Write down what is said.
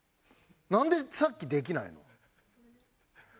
なんでさっきできないの？